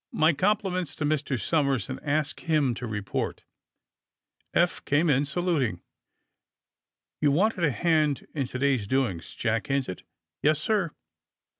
*^My compliments to Mr. Somers, and ask him to report.'^ Eph came in, saluting. You wanted a hand in to day's doings?" Jack hinted. '^Yes, sir.''